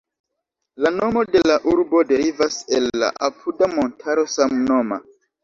La nomo de la urbo derivas el la apuda montaro samnoma.